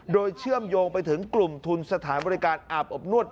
โดยเชื่อมโยงไปถึงกลุ่มทุนสถานบริการอาบอบนวด